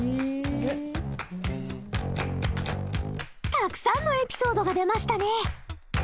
たくさんのエピソードが出ましたね。